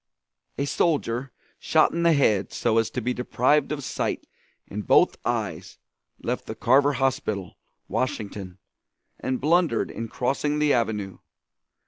A soldier shot in the head so as to be deprived of sight in both eyes left the Carver Hospital, Washington, and blundered in crossing the avenue.